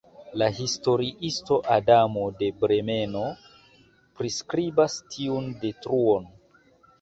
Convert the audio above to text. La historiisto Adamo de Bremeno priskribas tiun detruon.